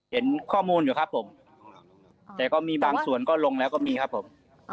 เห็นข้อมูลอยู่ครับผมแต่ก็มีบางส่วนก็ลงแล้วก็มีครับผม